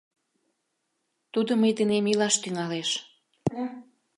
Тудо мый денем илаш тӱҥалеш.